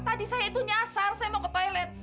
tadi saya itu nyasar saya mau ke pilot